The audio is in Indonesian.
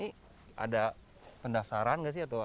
ini ada pendaftaran